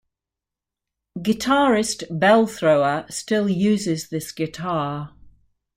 Guitarist Belthrower still uses this guitar.